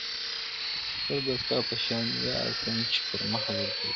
بل به ستا په شاني یار کړم چي پر مخ زلفي لرمه--!